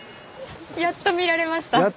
やっと見られました。